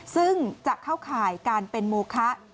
ซึ่งจะเข้าข่ายการเป็นโมคะ